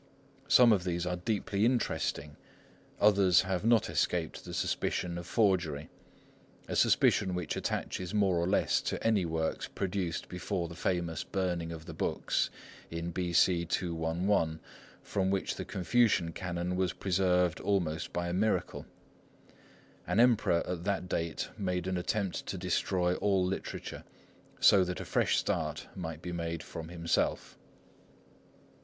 Some of these are deeply interesting; others have not escaped the suspicion of forgery—a suspicion which attaches more or less to any works produced before the famous Burning of the Books, in B.C. 211, from which the Confucian Canon was preserved almost by a miracle. An Emperor at that date made an attempt to destroy all literature, so that a fresh start might be made from himself.